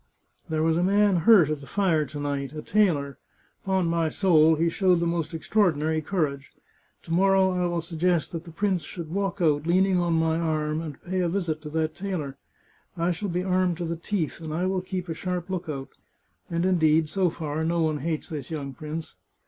" There was a man hurt at the fire to night — a tailor. Upon my soul, he showed the most extraordinary courage. To morrow I will suggest that the prince should walk out, leaning on my arm, and pay a visit to that tailor. I shall be armed to the teeth, and I will keep a sharp lookout. And, indeed, so far, no one hates this young prince.